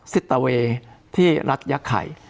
สิตเตอร์เวที่รัฐยักษ์ไข่